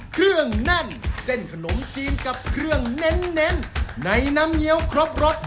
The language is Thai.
เครื่องแน่นเส้นขนมจีนกับเครื่องเน้นในน้ำเงี้ยวครบรส